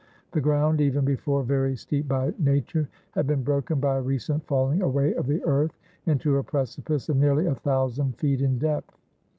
The ground, even before very steep by nature, had been broken by a recent falling away of the earth into a precipice of nearly a thou sand feet in depth.